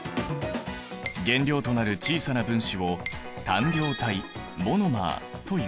原料となる小さな分子を単量体モノマーという。